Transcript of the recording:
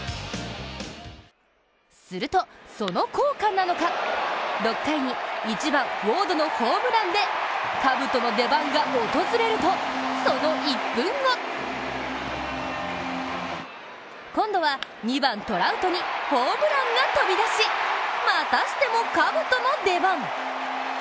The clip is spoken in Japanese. すると、その効果なのか、６回に１番・ウォードのホームランでかぶとの出番が訪れると、その１分後今度は２番・トラウトにホームランが飛び出しまたしてもかぶとの出番。